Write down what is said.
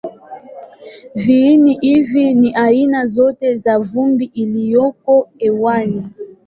Viini hivi ni aina zote za vumbi iliyoko hewani.